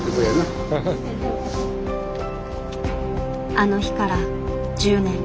あの日から１０年。